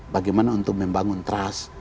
bagaimana untuk membangun trust